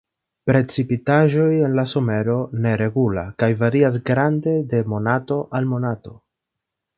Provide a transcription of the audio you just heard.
Precipitaĵo en la somero neregula kaj varias grande de monato al monato.